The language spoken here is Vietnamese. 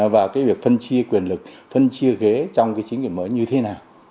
và cái việc phân chia quyền lực phân chia ghế trong cái chính quyền mới như thế nào